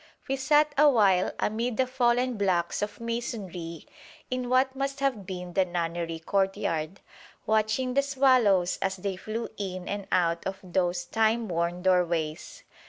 We sat awhile amid the fallen blocks of masonry in what must have been the nunnery courtyard, watching the swallows as they flew in and out of those timeworn doorways.